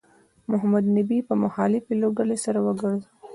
محمد نبي په مخالفې لوبډلې سر وګرځاوه